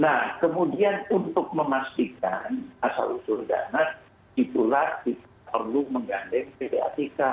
nah kemudian untuk memastikan asal usul dana itulah perlu menggandeng pda tk